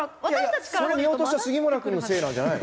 それ見落とした杉村君のせいなんじゃないの？